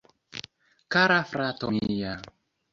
Kara frato mia..